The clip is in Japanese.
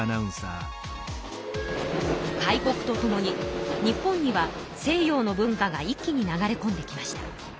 開国とともに日本には西洋の文化が一気に流れこんできました。